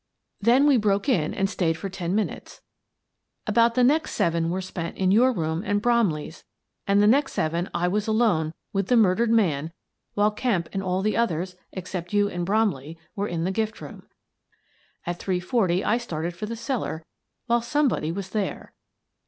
Then we broke in and stayed for ten minutes. About the next seven were spent in your room and Bromley's and the next seven I was alone with the murdered man while Kemp and all the others, except you and Bromley, were in the gift room. At three forty I started for the cellar, while somebody was there.